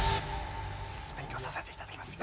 勉強させていただきます。